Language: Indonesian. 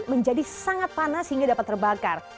menjadi sangat panas hingga dapat terbakar